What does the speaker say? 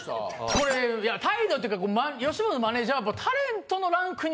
これいや態度っていうか吉本のマネジャー。